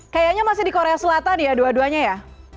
kayaknya masih di korea selatan ya dua duanya ya